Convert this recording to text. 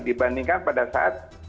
dibandingkan pada saat